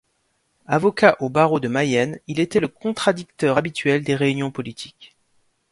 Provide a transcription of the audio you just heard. Avocat au barreau de Mayenne, il était le contradicteur habituel des réunions politiques.